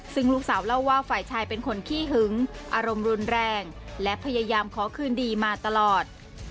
ซึ่งลูกสาวเล่าว่าฝ่ายชายเป็นคนขี้หึงอารมณ์รุนแรงและพยายามขอคืนดีมาตลอด